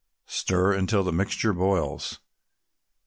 Stir until the mixture boils.